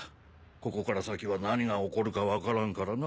ここから先は何が起こるか分からんからな。